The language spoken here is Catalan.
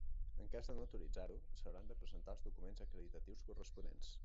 En cas de no autoritzar-ho, s'hauran de presentar els documents acreditatius corresponents.